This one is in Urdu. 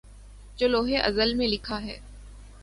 جو لوح ازل میں لکھا ہے